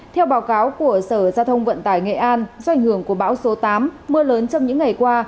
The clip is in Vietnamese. theo báo cáo của sở giao thông vận tải nghệ an do ảnh hưởng của bão số tám mưa lớn trong những ngày qua